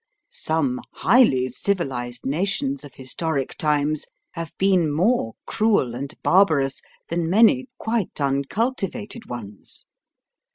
Some highly civilised nations of historic times have been more cruel and barbarous than many quite uncultivated ones.